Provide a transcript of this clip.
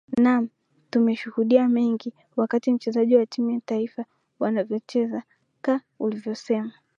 naam tumeshudia mengi wakati wachezaji wa timu ya taifa wanavyocheza ka ulivyosema